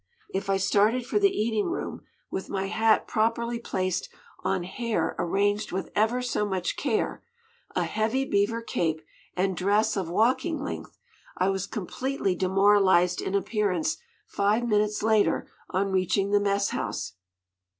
If I started for the eating room with my hat properly placed on hair arranged with ever so much care, a heavy beaver cape, and dress of walking length, I was completely demoralized in appearance five minutes later on reaching the mess house.